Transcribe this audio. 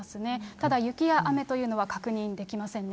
ただ、雪や雨というのは確認できませんね。